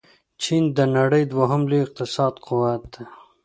چين د نړۍ دوهم لوی اقتصادي قوت دې.